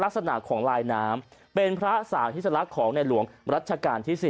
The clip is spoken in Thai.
ลักษณะของลายน้ำเป็นพระสาธิสลักษณ์ของในหลวงรัชกาลที่๔